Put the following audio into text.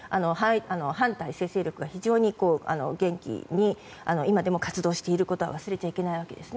反体制勢力が非常に元気に今でも活動していることを忘れちゃいけないわけです。